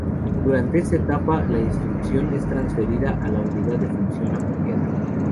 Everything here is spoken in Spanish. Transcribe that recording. Durante esta etapa, la instrucción es transferida a la unidad de función apropiada.